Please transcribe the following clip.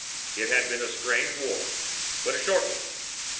It had been a strange war, but a short one.